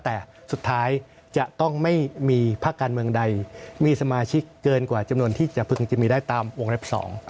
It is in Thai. แต่สุดท้ายจะต้องไม่มีภาคการเมืองใดมีสมาชิกเกินกว่าจำนวนที่จะพึงจะมีได้ตามวงเล็บ๒